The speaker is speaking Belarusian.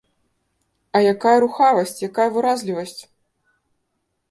А якая рухавасць, якая выразлівасць!